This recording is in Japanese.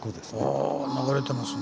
あ流れてますね。